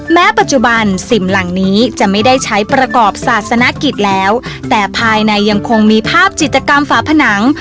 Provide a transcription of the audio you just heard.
แม้ปัจจุบันสิ่งเหล่านี้จะไม่ได้ใช้ประกอบศาสนกิจแล้วแต่ภายในยังคงมีภาพจิตกรรมฝาผนัง